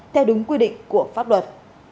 theo đúng quy định của pháp luật